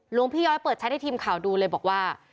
หลวงพี่ย้อยเปิดแชทให้ทีมข่าวดูเลยบอกว่า